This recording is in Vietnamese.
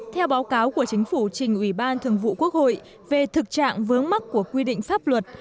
theo báo cáo của chính phủ trình ủy ban thường vụ quốc hội về thực trạng vướng mắc của quy định pháp luật